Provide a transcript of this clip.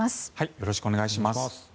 よろしくお願いします。